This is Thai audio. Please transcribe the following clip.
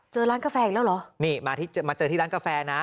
ร้านกาแฟอีกแล้วเหรอนี่มาที่มาเจอที่ร้านกาแฟนะ